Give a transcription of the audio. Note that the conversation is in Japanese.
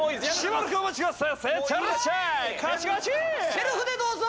セルフでどうぞ！